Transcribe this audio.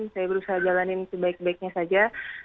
saya berusaha jalanin sebaik baiknya saja